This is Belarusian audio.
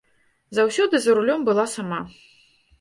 Заўсёды за рулём была сама.